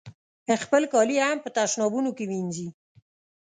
خپل کالي هم په تشنابونو کې وینځي.